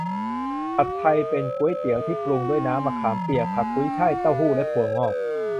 ผัดไทย เป็นก๋วยเตี๋ยวที่ปรุงด้วยน้ำมะขามเปียก ผักกุ้ยฉ่าย เต้าหู้ และถั่วงอก